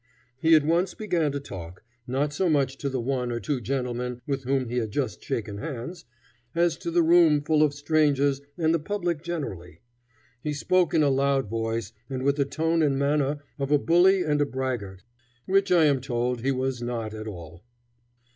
He at once began to talk, not so much to the one or two gentlemen with whom he had just shaken hands, as to the room full of strangers and the public generally. He spoke in a loud voice and with the tone and manner of a bully and a braggart, which I am told he was not at all.